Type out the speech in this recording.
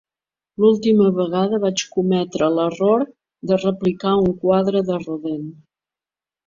L'última vegada vaig cometre l'error de replicar un quadre de Rodin.